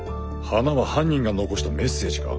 花は犯人が残したメッセージか？